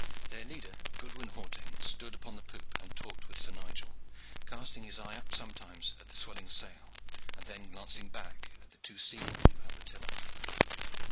Their leader, Goodwin Hawtayne, stood upon the poop and talked with Sir Nigel, casting his eye up sometimes at the swelling sail, and then glancing back at the two seamen who held the tiller.